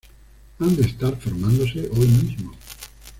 Han de estar formándose hoy mismo.